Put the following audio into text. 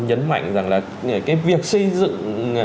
nhấn mạnh rằng là cái việc xây dựng